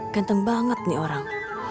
ganteng banget nih orang